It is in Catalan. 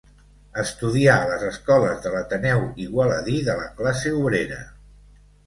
Estudià a les escoles de l'Ateneu Igualadí de la Classe Obrera.